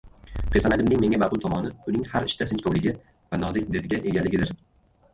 Personajimning menga ma’qul tomoni – uning har ishda sinchkovligi va nozik didga egaligidir.